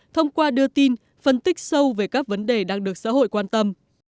thông qua đưa tin phân tích sâu về các vấn đề đang được xã hội quan tâm